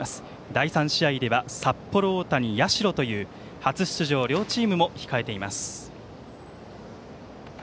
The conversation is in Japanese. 第３試合では札幌大谷、社という初出場の両チームも控えています。